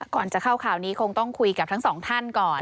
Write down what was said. ก่อนจะเข้าข่าวนี้คงต้องคุยกับทั้งสองท่านก่อน